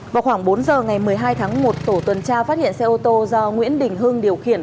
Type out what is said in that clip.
vào khoảng bốn giờ ngày một mươi hai tháng một tổ tuần tra phát hiện xe ô tô do nguyễn đình hưng điều khiển